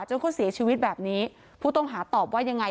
เขาเสียชีวิตแบบนี้ผู้ต้องหาตอบว่ายังไง